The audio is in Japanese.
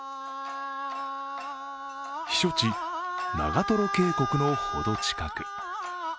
避暑地、長瀞渓谷のほど近く。